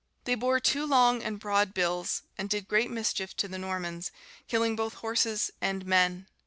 They bore two long and broad bills, and did great mischief to the Normans, killing both horses and men.